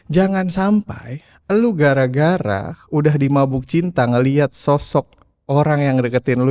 jangan sampai lu gara gara udah dimabuk cinta ngeliat sosok orang yang deketin lu